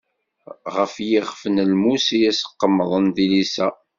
Ɣef yixef n lmus i as-qemḍen tilisa.